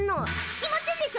決まってんでしょ！